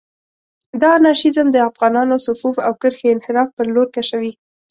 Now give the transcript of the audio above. دا انارشېزم د افغانانانو صفوف او کرښې انحراف پر لور کشوي.